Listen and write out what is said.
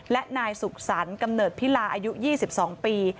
และนายสุขสรรค์กำเนิดพิลาอายุ๒๒ปี